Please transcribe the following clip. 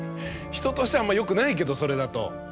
人としてはあんまりよくないけどそれだと。